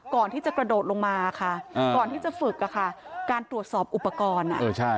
ก่อนที่จะกระโดดลงมาค่ะก่อนที่จะฝึกค่ะการตรวจสอบอุปกรณ์